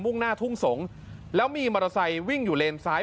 ่งหน้าทุ่งสงศ์แล้วมีมอเตอร์ไซค์วิ่งอยู่เลนซ้าย